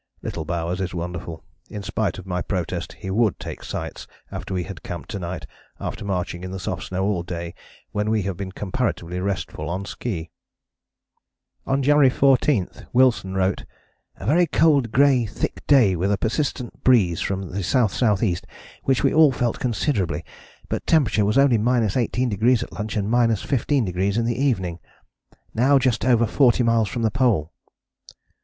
Little Bowers is wonderful; in spite of my protest he would take sights after we had camped to night, after marching in the soft snow all day when we have been comparatively restful on ski." On January 14, Wilson wrote: "A very cold grey thick day with a persistent breeze from the S.S.E. which we all felt considerably, but temperature was only 18° at lunch and 15° in the evening. Now just over 40 miles from the Pole."